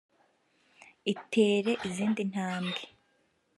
itere izindi ntambwe